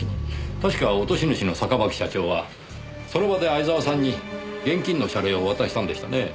確か落とし主の坂巻社長はその場で相沢さんに現金の謝礼を渡したんでしたねぇ。